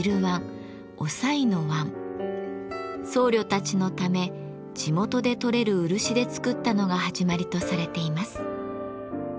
僧侶たちのため地元で採れる漆で作ったのが始まりとされています。